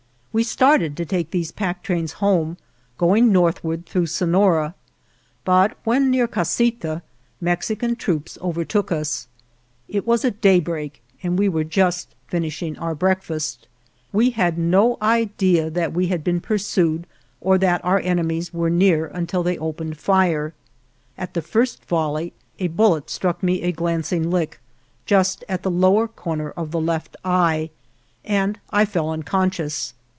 We started to take these pack trains home, going northward through So nora, but when near Casita, Mexican troops overtook us. It was at daybreak and we were just finishing our breakfast. We had no idea that we had been pursued or that our enemies were near until they opened fire. At the first volley a bullet struck me a glanc ing lick just at the lower corner of the left eye and I fell unconscious.